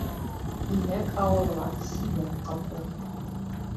Иләк ауыҙға силәк ҡапла.